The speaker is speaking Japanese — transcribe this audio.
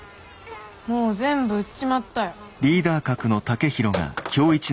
もう全部売っちまったよ。